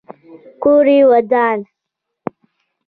کور یې ودان.